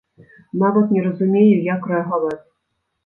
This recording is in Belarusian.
Нават не разумею, як рэагаваць.